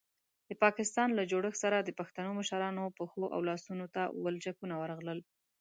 د پاکستان له جوړښت سره د پښتنو مشرانو پښو او لاسونو ته ولچکونه ورغلل.